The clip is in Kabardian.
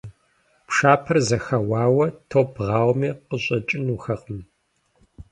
Пшапэр зэхэуауэ, топ бгъауэми, къыщӀэкӀынухэкъым.